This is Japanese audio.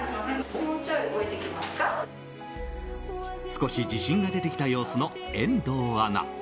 少し自信が出てきた様子の遠藤アナ。